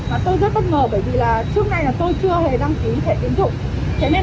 mà tôi rất bất ngờ bởi vì trước nay tôi chưa hề đăng ký thẻ tiến dụng